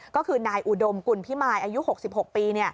ก็คือนายอุดมกุลพิมายอายุ๖๖ปี